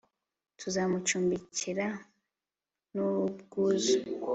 tuzamucumbikira n'ubwuzu